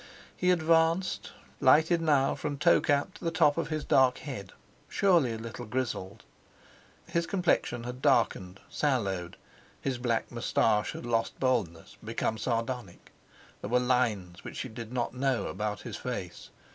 He advanced, lighted now from toe cap to the top of his dark head—surely a little grizzled! His complexion had darkened, sallowed; his black moustache had lost boldness, become sardonic; there were lines which she did not know about his face.